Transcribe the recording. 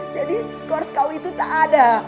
jadi skor kau itu tak ada